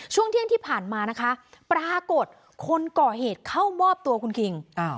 ช่วงเที่ยงที่ผ่านมานะคะปรากฏคนก่อเหตุเข้ามอบตัวคุณคิง